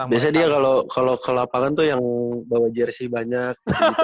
biasanya dia kalau ke lapangan tuh yang bawa jersi banyak